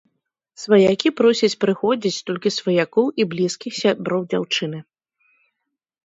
Сваякі просяць прыходзіць толькі сваякоў і блізкіх сяброў дзяўчыны.